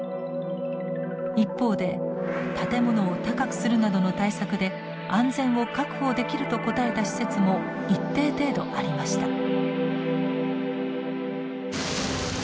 一方で「建物を高くするなどの対策で安全を確保できる」と答えた施設も一定程度ありました。